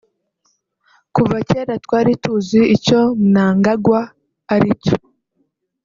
Kuva kera twari tuzi icyo [Mnangagwa] aricyo